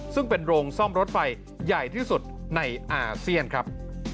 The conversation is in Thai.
ซึ่งเป็นโรงซ่อมรถไฟใหญ่ที่สุดในอาเซียนครับ